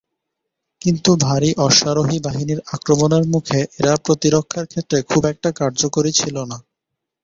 কিন্ত ভারী অশ্বারোহী বাহিনীর আক্রমণের মুখে এরা প্রতিরক্ষার ক্ষেত্রে খুব একটা কার্যকরী ছিল না।